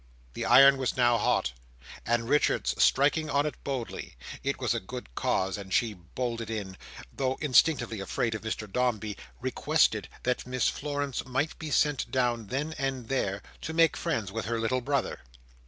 The iron was now hot, and Richards striking on it boldly—it was a good cause and she bold in it, though instinctively afraid of Mr Dombey—requested that Miss Florence might be sent down then and there, to make friends with her little brother.